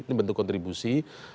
ini bentuk kontribusi